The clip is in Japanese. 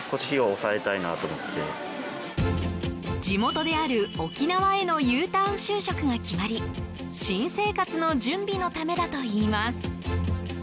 地元である沖縄へのＵターン就職が決まり新生活の準備のためだといいます。